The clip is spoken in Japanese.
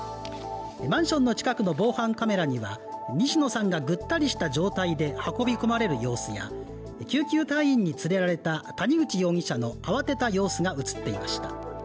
マンションの近くの防犯カメラには、西野さんがぐったりした状態で運び込まれる様子や、救急隊員に連れられた谷口容疑者の慌てた様子が映っていました。